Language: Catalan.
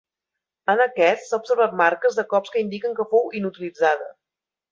En aquest s'ha observat marques de cops que indiquen que fou inutilitzada.